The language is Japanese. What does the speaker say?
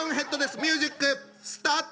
ミュージックスタート！